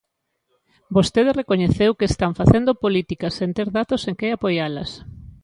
Vostede recoñeceu que están facendo políticas sen ter datos en que apoialas.